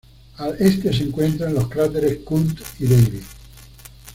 Al este se encuentran los cráteres Kundt y Davy.